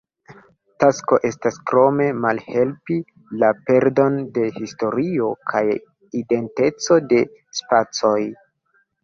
Tasko estas krome malhelpi la perdon de historio kaj identeco de spacoj.